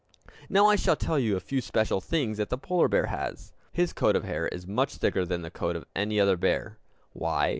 Now I shall tell you a few special things that the polar bear has. His coat of hair is much thicker than the coat of any other bear. Why?